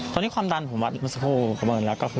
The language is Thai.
ตอนนี้ทำดันผมมาสะพูดละครับ